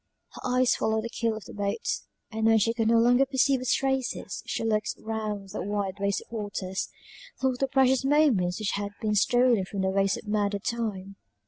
Her eyes followed the keel of the boat, and when she could no longer perceive its traces: she looked round on the wide waste of waters, thought of the precious moments which had been stolen from the waste of murdered time.